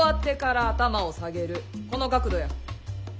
この角度や。